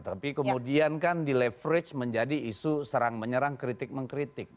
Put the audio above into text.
tapi kemudian kan di leverage menjadi isu serang menyerang kritik mengkritik